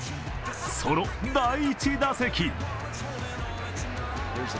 その第１打席。